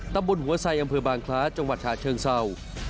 ตำบลหัวไซอำเภอบางคล้าจังหวัดฉะเชิงเศร้า